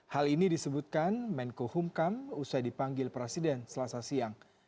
hal ini disebutkan menko humkam usai dipanggil presiden selasa siang